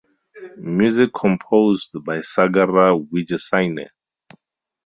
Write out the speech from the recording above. Music composed by Sagara Wijesinghe.